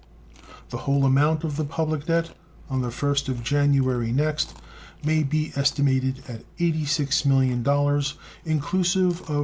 The whole amount of the public debt on the first of January next may be estimated at $86 millions, inclusive of $2.